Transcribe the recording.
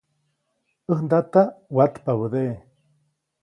ʼÄj ndata watpabädeʼe.